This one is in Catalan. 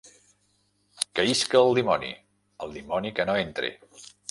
Que isca el dimoni! El dimoni que no entre!